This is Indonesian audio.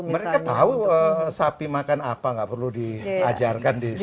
mereka tahu sapi makan apa nggak perlu diajarkan di sini